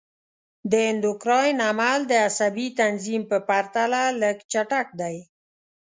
د اندوکراین عمل د عصبي تنظیم په پرتله لږ چټک دی.